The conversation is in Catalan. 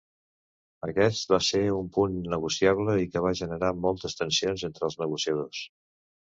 Aquest va ser un punt innegociable i que va generar moltes tensions entre els negociadors.